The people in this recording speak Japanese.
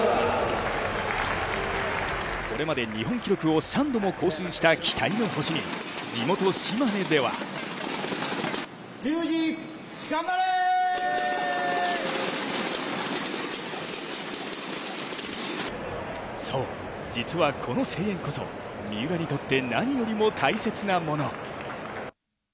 これまで日本記録を３度も更新した期待の星に、地元・島根ではそう、実はこの声援こそ三浦にとって何よりも大切なもの。